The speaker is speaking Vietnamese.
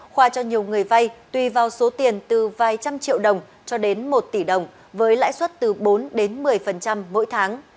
khoa cho nhiều người vay tùy vào số tiền từ vài trăm triệu đồng cho đến một tỷ đồng với lãi suất từ bốn đến một mươi mỗi tháng